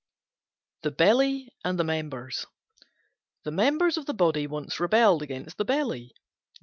THE BELLY AND THE MEMBERS The Members of the Body once rebelled against the Belly.